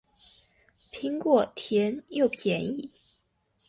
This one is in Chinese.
苹果甜又便宜